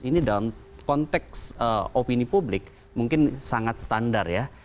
ini dalam konteks opini publik mungkin sangat standar ya